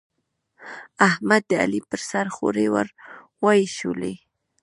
احمد، د علي پر سر خورۍ ور واېشولې.